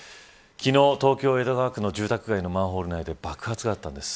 昨日、東京江戸川区の住宅街のマンホール内で爆発があったんです。